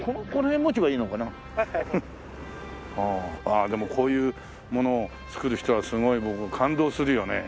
ああでもこういうものを作る人はすごい僕感動するよね。